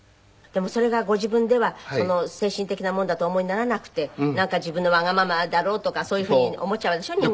でもそれがご自分では精神的なものだとお思いにならなくてなんか自分のわがままだろうとかそういう風に思っちゃうでしょ？